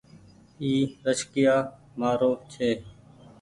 اي رڪسييآ مآرو ڇي